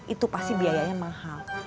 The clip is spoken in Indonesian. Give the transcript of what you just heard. itu pasti biayanya mahal